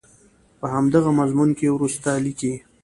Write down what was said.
په همدغه مضمون کې وروسته لیکي.